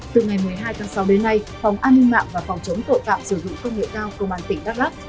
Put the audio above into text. từ ngày một mươi hai tháng sáu đến nay phòng an ninh mạng và phòng chống tội phạm sử dụng công nghệ cao công an tỉnh đắk lắc